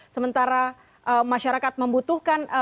sementara masyarakat membutuhkan